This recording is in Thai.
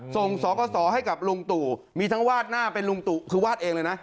สกสอให้กับลุงตู่มีทั้งวาดหน้าเป็นลุงตู่คือวาดเองเลยนะ